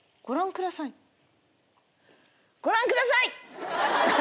ご覧ください」。